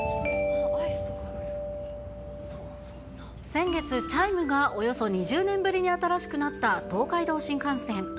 先月、チャイムがおよそ２０年ぶりに新しくなった東海道新幹線。